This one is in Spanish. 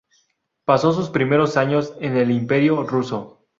Pasó sus primeros años en el Imperio ruso.